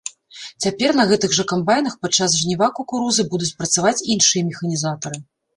Цяпер на гэтых жа камбайнах падчас жніва кукурузы будуць працаваць іншыя механізатары.